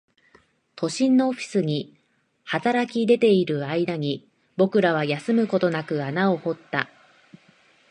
都心のオフィスに働き出ている間に、僕らは休むことなく穴を掘った